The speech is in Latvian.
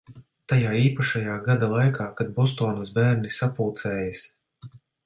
Tajā īpašajā gada laikā, kad Bostonas bērni sapulcējas.